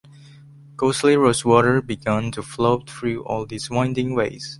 Costly rosewater began to flow through all these winding ways.